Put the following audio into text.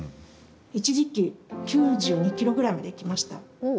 一時期９２ｋｇぐらいまでいきました。